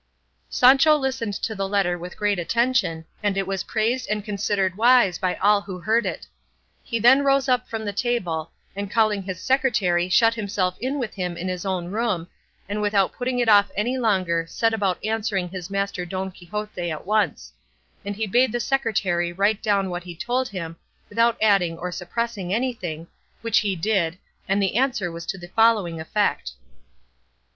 Sancho listened to the letter with great attention, and it was praised and considered wise by all who heard it; he then rose up from table, and calling his secretary shut himself in with him in his own room, and without putting it off any longer set about answering his master Don Quixote at once; and he bade the secretary write down what he told him without adding or suppressing anything, which he did, and the answer was to the following effect.